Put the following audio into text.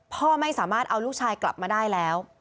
พ่อไม่สามารถเอาลูกชายกลับมาได้แล้ว